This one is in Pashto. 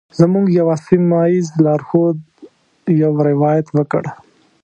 زموږ یوه سیمه ایز لارښود یو روایت وکړ.